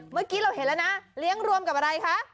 เมื่อกี้เราเห็นแล้วนะเลี้ยงรวมกับอะไรคะ